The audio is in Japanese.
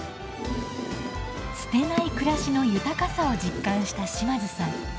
捨てない暮らしの豊かさを実感した島津さん。